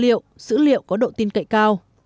dữ liệu dữ liệu có độ tin cậy cao